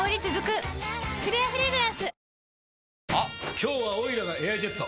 今日はオイラが「エアジェット」！